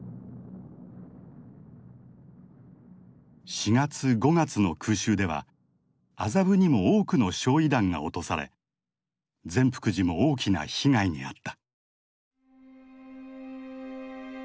４月５月の空襲では麻布にも多くの焼夷弾が落とされ善福寺も大きな被害に遭った。